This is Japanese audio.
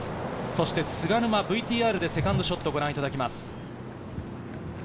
そして菅沼、ＶＴＲでセカンドショットをご覧いただきます。